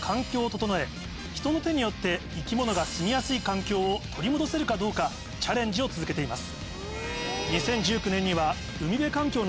人の手によって生き物がすみやすい環境を取り戻せるかどうかチャレンジを続けています。